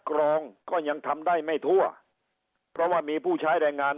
กรองก็ยังทำได้ไม่ทั่วเพราะว่ามีผู้ใช้แรงงาน